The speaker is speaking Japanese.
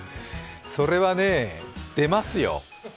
それはね、出ますよ。